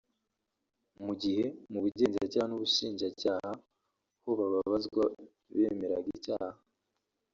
mu gihe mu Bugenzacyaha n’ Ubushinjacyaha ho babazwa bemeraga icyaha